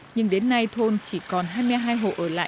nhưng đến nay thôn chỉ còn hai mươi hai hộ ở lại